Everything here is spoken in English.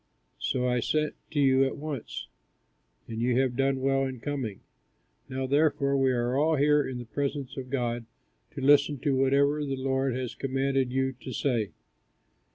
So I sent to you at once; and you have done well in coming. Now therefore we are all here in the presence of God, to listen to whatever the Lord has commanded you to say."